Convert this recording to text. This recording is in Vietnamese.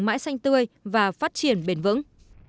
mãi xanh tươi và phát triển bền vững